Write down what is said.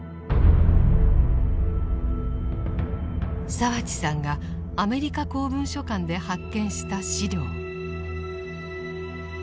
澤地さんがアメリカ公文書館で発見した資料。